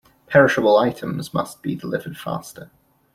Perishable items must be delivered faster.